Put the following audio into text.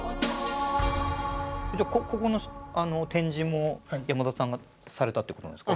じゃあここの展示も山田さんがされたってことなんですか？